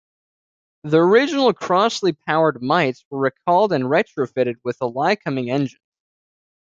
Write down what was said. The original Crosley-powered Mites were recalled and retrofitted with the Lycoming engines.